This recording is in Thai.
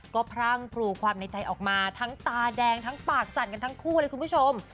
ก็พรั่งกรูความในใจออกมาทั้งตาแดงทั้งปากสั่นกันทั้งคู่เลยคุณผู้ชม